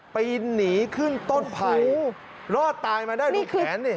ปีนหนีขึ้นต้นไผ่รอดตายมาได้ดูแขนนี่